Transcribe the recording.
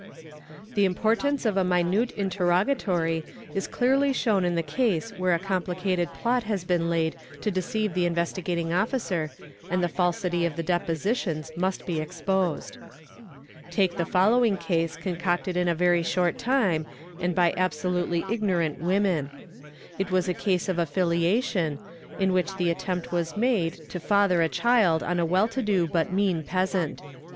| The importance of a minute interrogatory is clearly shown in the— case where a complicated plot has been laid to deceive the Investigating Officer and the falsity of the depositions must be exposed. Take the following case concocted in a very short time and by abso lutely ignorant women. It was a case of affiliation, in which the attempt was made to father a child on a well to do but mean peasant.